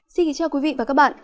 xin kính chào quý vị và các bạn